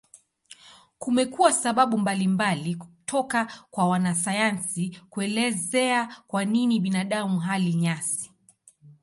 Kumekuwa sababu mbalimbali toka kwa wanasayansi kuelezea kwa nini binadamu hali nyasi.